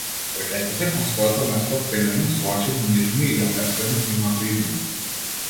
Враќајќи се кон своето место в темнина, со очи замижани ја претскажав нивната иднина.